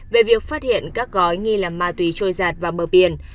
về việc phát hiện các gói nghi là ma túy trôi giạt vào bờ biển